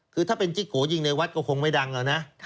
คือถ้าเป็นจิ๊กโกยิงในวัดก็คงไม่ดังแล้วนะ